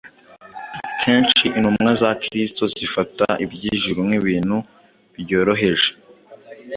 Kenshi intumwa za Kristo zifata iby’ijuru nk’ibintu byoroheje.